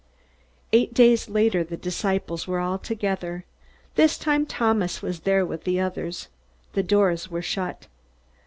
Eight days later the disciples were all together. This time Thomas was with the others. The doors were shut.